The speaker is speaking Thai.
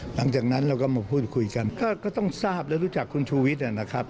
หลังจากนั้นเราก็มาพูดคุยกันก็ต้องทราบและรู้จักคุณชูวิทย์นะครับ